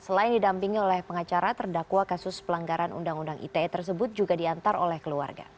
selain didampingi oleh pengacara terdakwa kasus pelanggaran undang undang ite tersebut juga diantar oleh keluarga